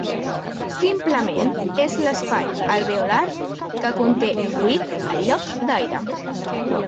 Simplement, és l'espai alveolar que conté fluid en lloc d'aire.